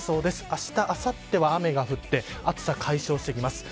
あした、あさっては雨が降って暑さが解消してきます。